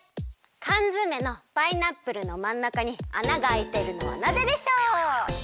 かんづめのパイナップルのまんなかに穴があいているのはなぜでしょう？